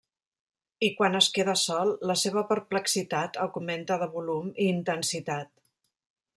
I quan es queda sol, la seva perplexitat augmenta de volum i intensitat.